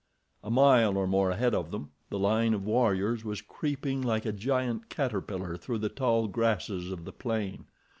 A mile or more ahead of them, the line of warriors was creeping like a giant caterpillar through the tall grasses of the plain.